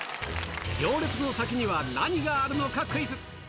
行列の先には何があるのかクイズ。